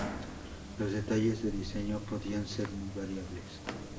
Los detalles de diseño podían ser muy variables.